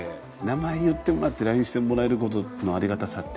名前言ってもらってＬＩＮＥしてもらえる事のありがたさって。